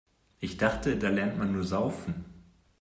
Ich dachte, da lernt man nur Saufen.